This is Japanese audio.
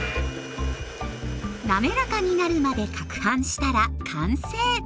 滑らかになるまでかくはんしたら完成。